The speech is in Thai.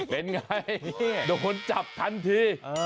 เป็นไงโดนจับทันที